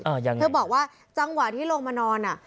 ยังไงเธอบอกว่าจังหวะที่ลงมานอนอ่ะ